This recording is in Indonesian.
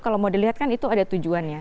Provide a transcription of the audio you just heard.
kalau mau dilihat kan itu ada tujuannya